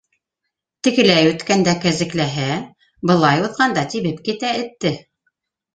Тегеләй үткәндә кәзекләһә, былай уҙғанда тибеп китә этте.